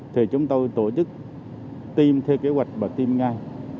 thì chúng tôi tổ chức tiêm theo kế hoạch và tiêm ngay